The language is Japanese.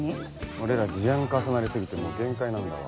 俺ら事案重なり過ぎてもう限界なんだわ。